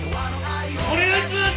お願いします！